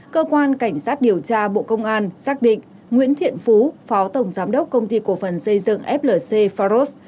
cơ quan cảnh sát điều tra bộ công an xác định nguyễn thiện phú phó tổng giám đốc công ty cổ phần xây dựng flc faros